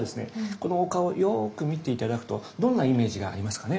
このお顔よく見て頂くとどんなイメージがありますかね？